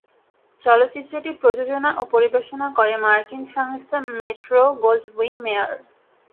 চলচ্চিত্রটি প্রযোজনা ও পরিবেশনা করে মার্কিন সংস্থা মেট্রো-গোল্ডউইন-মেয়ার।